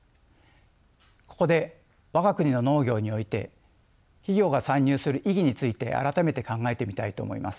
ここで我が国の農業において企業が参入する意義について改めて考えてみたいと思います。